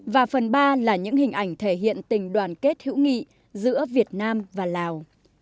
và phần ba là những hình ảnh thể hiện tình đoàn kết hữu nghị giữa việt nam và lào